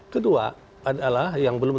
kedua adalah yang belum